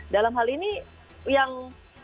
dalam hal ini yang